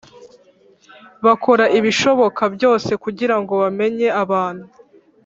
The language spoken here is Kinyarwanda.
bakora ibishoboka byose kugirango bamenye abantu